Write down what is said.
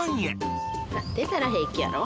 出たら平気やろ？